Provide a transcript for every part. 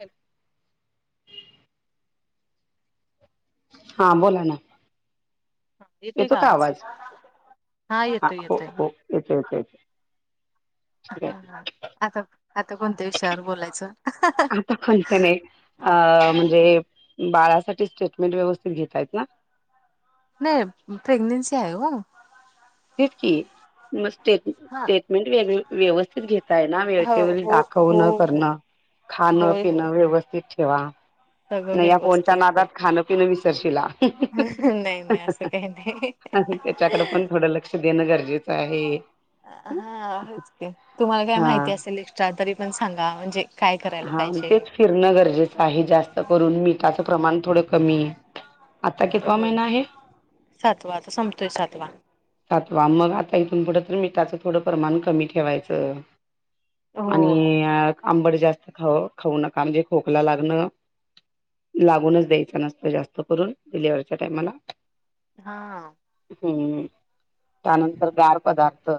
Hello हा बोला ना हा येतोय येतो का आवाज हा येतोय येतोय आच्छा आच्छा आच्छा आता आता कोणत्या विषयावर बोलायचं आता फोन कनय अ म्हणजे बाळासाठीच स्टेटमेंट व्यवस्थित घेतायत ना नाही प्रेग्नेन्सी आहे ओ तेच की मस्त स्टेट हा. स्टेटमेंट वेग व्यवस्थित घेतताय ना हो वेळच्या वेळी हो हो दाखवणं हो करणं खाण होय होय. पिणं व्यवस्थित ठेवा सगळं नाय या फोनच्या व्यवस्थित आहे. नादात खाण खान विसरशीला नाही नाही असं काही नाही त्याच्याकडे पण थोडं लक्ष देणं गरजेचं आहे हां होयच की तुम्हाला काय हा माहिती असेल एस्ट्रा तरी पण सांगा म्हणजे काय करायला हां पाहिजे. तेच फिरणं गरजेचं आहे जास्त करून मिठाचं प्रमाण थोडं कमी. आता होय कितवा होय महिना आहे? सातवा आता संपतोय सातवा. सातवा मग आता इथून पुढं मिठाचं थोडं प्रमाण कमी ठेवायचं. हो. आणि आंबट जास्त खाऊ खाऊ नका म्हणजे खोकला लागणं लागूनच द्यायचा नसतोय जास्त करून डिलिव्हरीच्या टायमाला हा हम्म त्यानंतर गार पदार्थ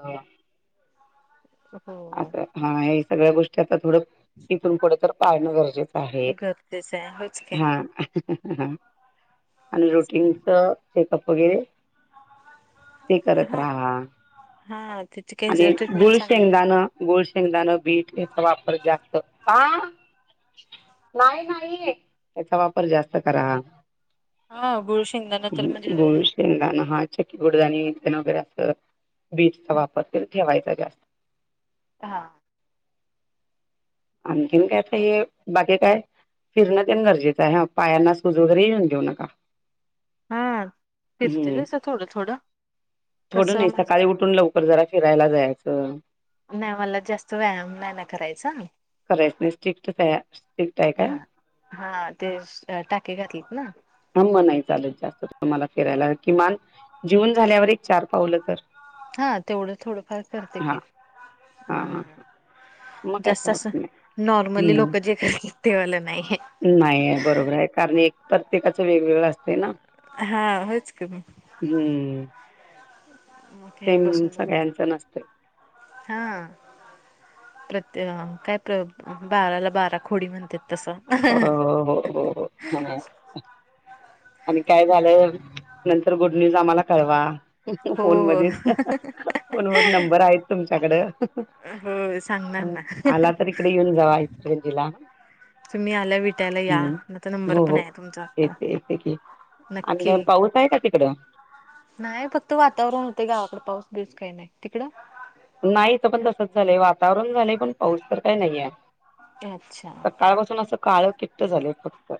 हो असं हां हे सगळ्या गोष्टी आता थोडं इथून पुढ तर पाळणं गरजेचं आहे गरजेचं आहे होच की. हां. आणि रूटीनच चेकअप वगैरे ते करत हा राहा, हा त्याची आणि काही एक ट्रीटमेंट गुळ चांगली शेंगदाण गुळ, शेंगदाणं, बीट याचा वापर जास्त आ नाही नाही, याचा वापर जास्त करा. हां गुळ शिंगदाणा तर गुळ म्हणजे शेंगदाण हां चक्की गुडदाणी तेन वगैरे असं बीटचा वापर ठेवायचा जास्त. हां आणखीन काय ते ये बाकी काय फिरणं तेन गरजेचं आहे, हां पायांना सूज वगैरे येऊन देऊ नका. हा फिरते हम्म तसं थोडं थोडं थोडं कसं नाही माझं सकाळी उठून लव कर जरा फिरायला जायचं. नाही मला जास्त व्यायाम नाही ना करायचा. करायचं नाही स्ट्रिक्टच आहे स्ट्रिक्ट आहे का? हां ते टाके घातलेत ना हां मग नाही चालत जास्त तुम्हाला फिरायला, किमान जेऊन झाल्यावर एक चार पावलं तर हां तेवढं थोडंफार करते हा की हा हां. हा मग काय जास्त प्रॉब्लेम असं नाही नॉर्मली लोक जे करतात ते वालं नाही. नाहीयें बरोबर आहे कारण एक प्रत्येकाच वेगवेगळं असतंय ना. हा होच की हम्म. मग हे सेम बसून सगळ्यांचं नसते वगैरे हां प्रत्य काय ते बाराला बारा खोडी म्हणतात तसं बरं हों हों हों म्हणे आणि काय झालं, नंतर गुड न्यूज आम्हाला कळवा. हो फोन मध्येच फोनवर नंबर आहेत तुमच्याकडं होय सांगणार हं. ना. आला तर इकडे येऊन जावा इचलकरंजीला तुम्ही आल्या वाट्याला या हं. आता नंबर हो पण हो आहे तुमचा आता. येते येते आणि नक्की काय पाऊस आहे का तिकड? नाही फक्त वातावरण होतंय गावाकडे पाऊस बिउस काय नाही तिकडं? नाही इथ पण तसच झालंय वातावरण झालंय पण पाऊस तर काय नाहीये, अच्छा सकाळ पासून असं काळ किट्ट झालंय फक्त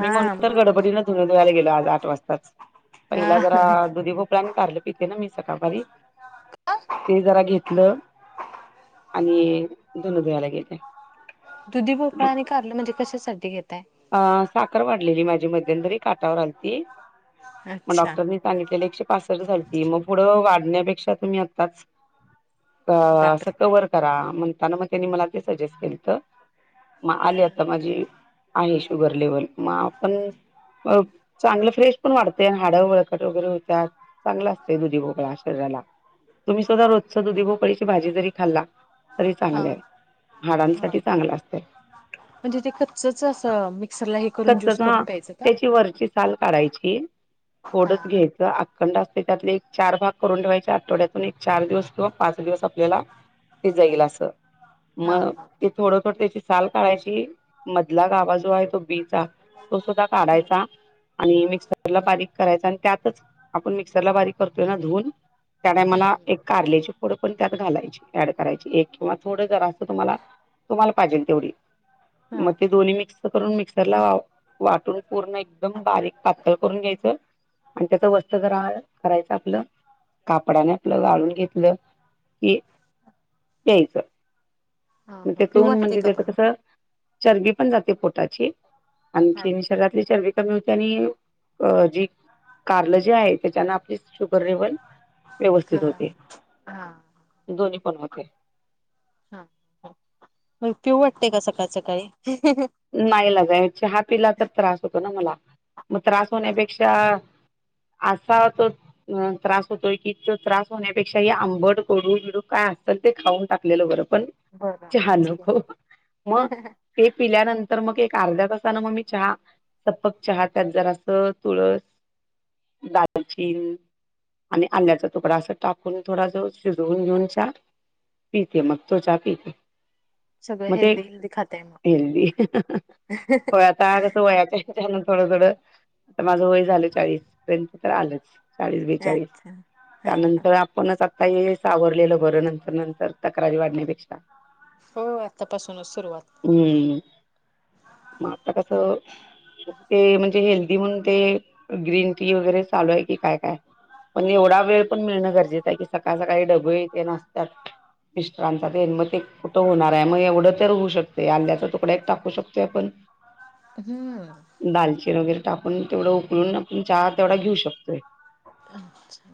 मी म्हणून मग तर इकड गडबडीन धुण धुवायला गेलो आज आठ वाजताच पहिला जरा ह दुधी भोपळा आणि कारले पिते ना मी सकाळपारी ते जरा घेतलं आणि धुण धुवायला गेले. दुधी भोपळा आणि कारल म्हणजे कशासाठी घेताय? अं साखर वाढलेली माझी मध्यनंतरी काटावर आलती. मग अच्छा डॉक्टरनी सांगितलेले एकशे पासष्ट झालती मग पुढ वाढण्यापेक्षा तुम्ही आताच अंस बापरे कवर करा म्हणताना मग त्यांनी मला ते सजेस्ट केलंत मग आली आता माझी आहे शुगर लेवल मला पण चांगलं फ्रेश पण वाटतंय हाडं बळकट वगैरे होतात. चांगल असतंय दुधी भोपळा शरीराला. तुम्हीसुद्धा रोजच दुधी भोपळ्याची भाजी जरी खाल्ला तरी हा चांगल आहे. हा हाडांसाठी चांगलं असते. [unintelligible] म्हणजे ते कच्च अस मिक्सरला करून ज्यूस कच्चाच हां करून प्यायचं का त्याची वरची साल काढायची हा थोडच हा घ्यायचं थंड असते त्यातले एक चार भाग करून ठेवायच्या आवठवड्यातून एक चार दिवस किंवा पाच दिवस आपल्याला ते जाईल अस. म हा हा ते थोडं त्याची साल कढायची मधला गाभा जो आहे तो बी चा तो सुद्धा काढायचा. आणि मिक्सरला बारीक करायच आणि त्यातच आपण मिक्सरला बारीक करतोय ना धुवून त्या टायमाला हम्म एक कारल्याची फोड पण त्यात घालायची, ऍड करायची एक किंवा थोडं जरा असं तुम्हाला तुम्हाला पाहिजे तेवढी हम्म मग ते दोन्ही मिक्स करून मिक्सरला वाटून पूर्ण एकदम बारीक पातळ करून घ्यायचं. आणि त्याच वरच जरा करायचं आपलं कापड्याने आपलं गळून घेतलं. ही की प्यायचं. हा मग हा पिऊ त्यातन वाटते म्हणजे का त्याचं पण कसं चरबी पण जाते पोटाची, आणखी अच्छा शरीरातील चरबी पण त्यांनी अ जी कारल जे आहे त्याच्यानं आपली शुगर लेवल व्यवस्थित होते हा हा दोन्ही पण होते. हा पिऊ वाटतेय का सकाळ सकाळी. ना इलाज हाय चहा पीला तर त्रास होतो ना मला, मग त्रास अच्छा होण्यापेक्षा असा तो अ त्रास होतोय की त्रास होण्यापेक्षा हे आंबड, कोडू, बिडू, काय असतल ते खाऊन टाकलेलं बरं पण बरं चहा होयच नको मग की ते पिल्यानंतर मग एक अर्ध्या तासान मग मी चहा सपक चहा त्यात जरा अस तुळस, दालचीन, आणि आल्याचा तुकडा, असं टाकून थोडा ज शिजवून घेऊन चहा. पीते मग तो चहा पीते. सगळ हेल्दी हेल्दी खातय मग. हेल्दी होय आता कसं वयाच्या थोडं थोडं आ माझं वय झालं चाळीस तर आलंच. चाळीस बेचाळीस अच्छा हा हा हा. त्यानंतर पण आता हे सावरलेलं बर नंतर नंतर तक्रारी वाढण्यापेक्षा. होय होय आत्तापासूनच सुरुवात. हम्म, मग आता कसं ते म्हणजे हेल्दी म्हणून ते ग्रीन टी वगैरे चालू आहे की काय काय? पण एवढा वेळ पण मिळणं गरजेचं आहे की, सकाळ सकाळी डबे यथे आसतात. मिस्टरांचा तेन मग ते कुठं होणार आहे मग एवढं तर होऊ शकत ते. आल्ल्याचा तुकडा एक टाकू शकतोय आपण. हम्म. दालचीर वगैरे टाकून तेवढं उकळून आपण चहा तेवढा घेऊ शकतोय. अच्छा!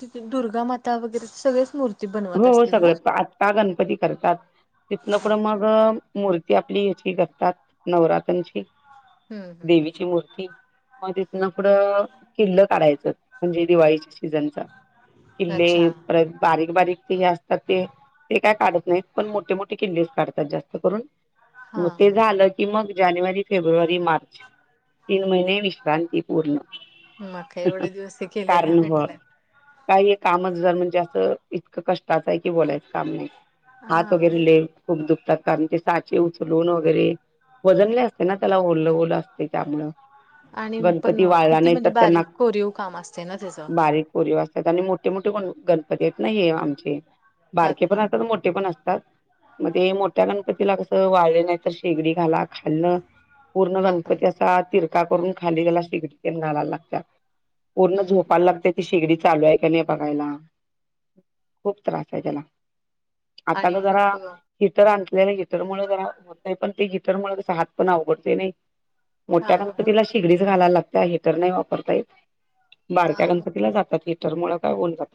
तिथे दुर्गामाता वगैरे सगळेच मूर्ती हो बनवत हो असतील ना? सगळं आता गणपती करतात. तिथन पुढं अच्छा मग मूर्ती आपली याची करतात नवरात्रांची हम्म हम्म देवीची मूर्ती. मग तिथनं पुढं किल्लं काढायचं म्हणजे दिवाळीच्या सीजनचा. हम्म अच्छा किल्ले हा परत बारीक बारीक ते असतात ते, ते काय काढत नाही. पण मोठे मोठे किल्लेस काढतात जास्त करून. मग हा. ते हा. झालं की मग, जानेवारी, फेब्रुवारी, मार्च तीन महिने विश्रांती पूर्ण. म का एवढे दिवस ते केलेला कारण हो म्हटलं. काही काम जर म्हणजे असं इतकं कष्टाचं आहे की, बोलायचं काम नाही. हा हात वगैरेले ओके. खूप दुखतात. कारण ते साचे उचलून वगैरे वजन लय असतं ना, त्याला ओल ओल असतंय त्यामुळ. आणि पण किती म्हणजे बारीक कोरीव काम असते ना त्याचं. कोरीव असतात. आणि मोठे मोठे पण गणपती आहेत ना हे आमचे. बारके पण अच्छा असतात. मोठे पण असतात. मग ते मोठ्या गणपतीला कसं वाळले नाही तर, शेगडी घाला खालन पूर्ण बापरे गणपती अस असा तिरका करून खाली तेला शेगडी घालाय लागता. पूर्ण हम्म झोपाय लागतय ती शेगडी चालू आहे का नाही बघायला. खूप त्रास आहे त्याला, आता त आणि जरा लोक हिटर [unintelligible] हिटर मुळ जरा होतंय. पण ते गिटरमुळं कसा हात पण अवघड तोय नाही. मोठ्या हा गणपतीला ओके. शिगडीच घालाला लागता. हिटर नाही वापरता येत. बारक्या हा मग गणपतीला जातात. हिटर मुळं काय होऊन जात.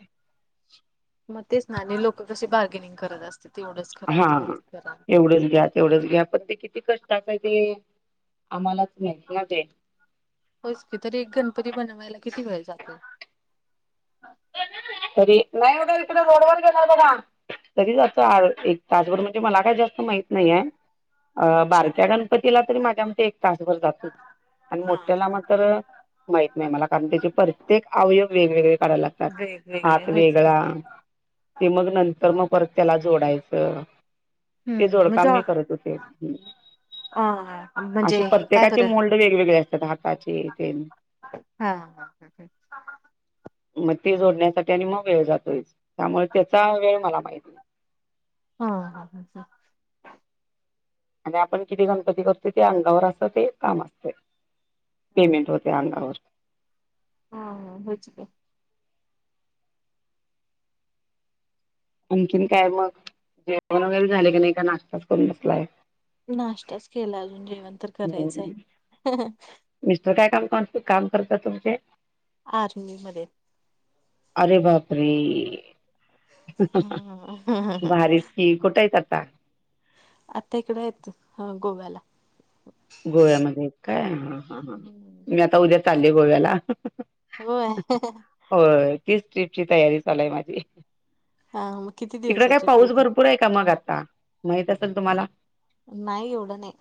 मग तेच ना, आणि लोक कसे बार्गेनिंग करत असते तेवढंच करा हा, तेवढंच करा. एवढंच घ्या तेवढंच घ्या, पण ते किती कष्ट कास आहे ते, आम्हालाच माहित ना ते. होयस की तरी, एक गणपती बनवायला किती वेळ जातो. तरी नाही [unintelligible] रोडवर गेला होता का? तरीच असं, एक तासभर म्हणजे मला काही जास्त माहित नाही आहे. अ अच्छा बारक्या गणपतीला तरी माझ्या मते एक तासभर जातो. आणि हा मोठ्याला हा मात्र माहित नाही मला, कारण त्याचे प्रत्येक अवयव वेगवेगळे करायला ला वेगवेगळे हात होयच की वेगळा, ते मग नंतर मग परत त्याला जोडायचं. ते हम्म जोडकाम म्हणजे मी करत होते. अ म्हणजे असे हे काय प्रत्येकाचे बरं मोल्ड वेगवेगळे असतात. हाताचे तेन. हा ह.., मग ते जोडण्यासाठी आणि मग वेळ जातोय. त्यामुळे त्याचा वेळ मला माहित हा, आणि आपण किती गणपती करतोय ते अंगावर असत ते काम असतं. ह पेमेंट वगैरे अंगावर. हा.., होच काय आणखीन काय मग, जेवण वगैरे झाले का नाही का नाश्ताच करून बसलाय. नाश्ताच केला अजून जेवण तर ह, करायचंय मिस्टर काय काम [unintelligible] काम करतात तुमचे. आर्मी मध्ये त. अरे बापरे! ह भारीच. ती कोठं आहेत आता? आता इकडं आहेत गोव्याला. गोव्यामध्ये आहेत काय? ह ह ह, मी आता उद्या चाल्ली गोव्याला. होय. होय. तीच ट्रीपची तयारी चालू आहे माझी. हा मग कितीत तिकड काय पाऊस भरपूर आहे का मग आता माहित असेल तुम्हाला? नाही एवढं नाही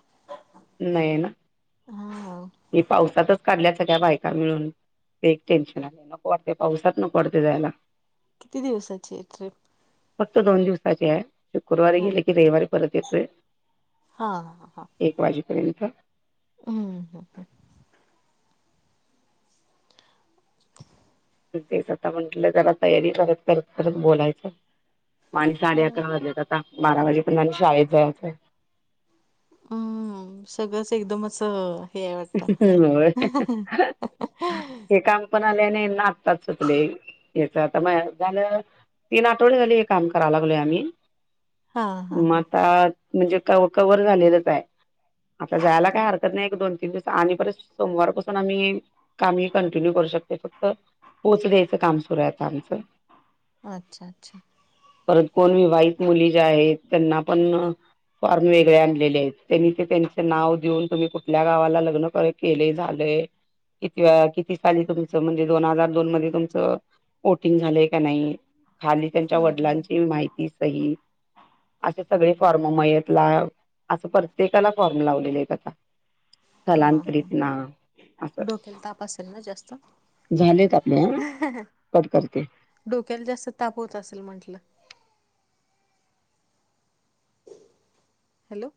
[inaudible] हा. हे पावसातच काढल्या सळ्या बायका मिळून. ते एक टेन्शन आले नको वाटते पावसात नको वाटते जायला. किती दिवसाांची आहे ट्रिप? फक्त दोन दिवसाचे आहे, शुक्रवारी हा गेले की रविवारी परत येतोय. हा ह हा. एक वाजेपर्यंत. हम्म हम् ह. तेच आता म्हंटलं जरा तयारी करत करत करत बोलायचं. म आणि साडे अकरा वाजलेत आता बारा वाजेपर्यंत आणि शाळेत जायचंय. हम्म सगळंच एकदमच हे आहे वाटत. होय हे काम पण आले नाही ना आताच सुचले, हेच आता माहि झालं. तीन आठवडे झाले हे काम करा लागलो आम्ही. हा हा म हा आता म्हणजे क-कवर झालेलंच आहे. आता जायला काय हरकत नाही एक दोन तीन दिवस आणि परत सोमवारपासून आम्ही कामही कंटिन्यू करू शकते फक्त पोच द्यायचं काम सुरू आहे आता आमचं. अच्छा! अच्छा! परत कोण विवाहित मुली ज्या आहेत त्यांना पण फॉर्म वेगळे आणलेले आहेत त्यांनी ते त्यांचे नाव देऊन तुम्ही कुठल्या गावाला लग् अक [unintelligible] केले झालय. कितवा किती साली तुमचं म्हणजे दोन हजार दोन मध्ये तुमचं वोटिंग झाले का नाही खाली त्यांच्या हम्म हम्म वडिलांची माहिती, सही असे सगळे फॉर्म मयतला असं प्रत्येकाला फॉर्म लावलेले आहेत आता. हा हा, स्थलांतरित ना असं डोक्याला ताप असेल ना जास्त? झालेत आपले हा, कट करते. डोक्याला जास्त ताप होत असेल म्हंटलं. हॅलो!